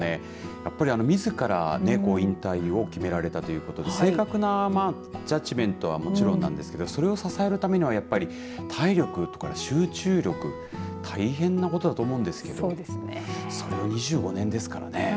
やっぱり、みずからね引退を決められたということで正確なジャッジメントはもちろんなんですけどそれを支えるためにはやっぱり体力とか集中力大変なことだと思うんですけどそれを２５年ですからね。